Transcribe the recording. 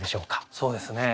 そうですね。